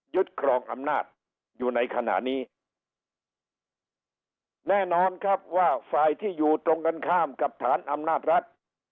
ครองอำนาจอยู่ในขณะนี้แน่นอนครับว่าฝ่ายที่อยู่ตรงกันข้ามกับฐานอำนาจรัฐ